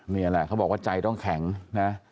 นี่แหละเขาบอกว่าใจต้องแข็งนะ